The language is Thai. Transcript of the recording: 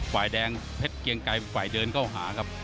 ฝ่ายแดงเพชรเกียงไกรฝ่ายเดินเข้าหาครับ